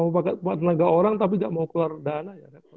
mau pakai tenaga orang tapi gak mau keluar dana